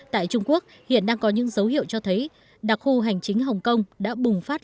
tại trung quốc hiện đang có những dấu hiệu cho thấy đặc khu hành chính hồng kông đã bùng phát